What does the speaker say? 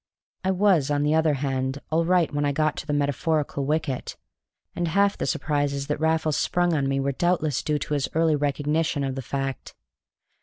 I was, on the other hand, all right when I got to the metaphorical wicket; and half the surprises that Raffles sprung on me were doubtless due to his early recognition of the fact.